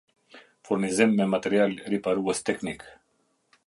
Furnizim me material RiparuesTeknik